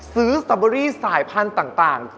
ซื้อสตรอเบอร์รี่สายพันธุ์ต่าง